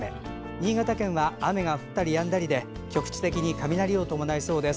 新潟県は雨が降ったりやんだりで局地的に雷を伴いそうです。